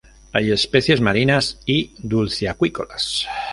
Hay especies marinas y dulceacuícolas.